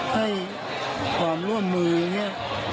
ให้ความร่วมมือเนี่ย